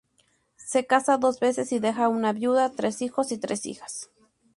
Se casa dos veces y deja una viuda, tres hijos y tres hijas.